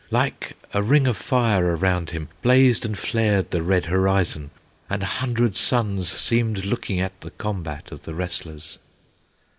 Like a ring of fire around him Blazed and flared the red horizon, And a hundred suns seemed looking At the combat of the wrestlers.